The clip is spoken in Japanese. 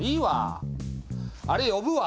あれ呼ぶわ。